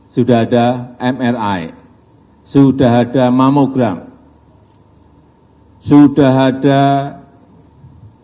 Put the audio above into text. sudah ada mri sudah ada mamogram sudah ada